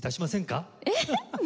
えっ！？